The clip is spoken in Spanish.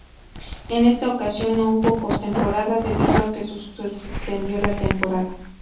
En esta ocasión no hubo postemporada debido a que se suspendió la temporada.